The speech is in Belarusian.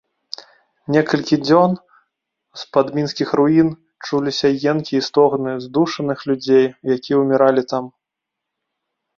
Некалькі дзён з-пад мінскіх руін чуліся енкі і стогны здушаных людзей, якія ўміралі там.